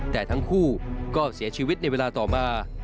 แต่ทั้งคู่ก็เสียชีวิตในเวลาต่อมา